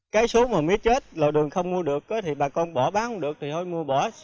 cái số mà mía chết là đường không mua được thì bà con bỏ bán không được thì thôi mua bỏ